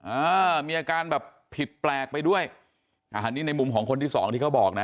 อ่ามีอาการแบบผิดแปลกไปด้วยอ่าอันนี้ในมุมของคนที่สองที่เขาบอกนะ